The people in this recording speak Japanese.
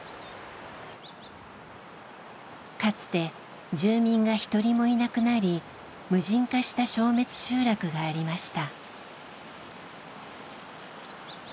かつて住民が一人もいなくなり無人化した消滅集落がありました。